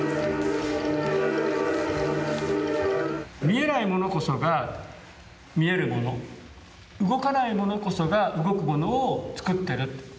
見えないものこそが見えるもの動かないものこそが動くものをつくってる。